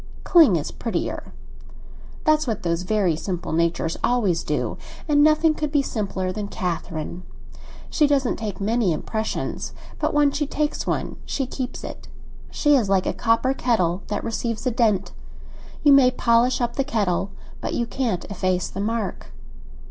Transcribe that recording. "Cling is prettier. That's what those very simple natures always do, and nothing could be simpler than Catherine. She doesn't take many impressions; but when she takes one she keeps it. She is like a copper kettle that receives a dent; you may polish up the kettle, but you can't efface the mark."